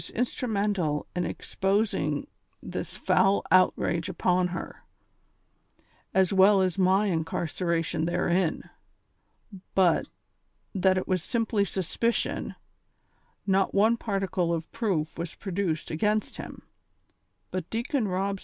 193 instrumental in exposing this foul outrage upon her, as well as my incarceration therein ; but, that it was simply suspicion, not one particle of proof was produced against him, but Deacon Rob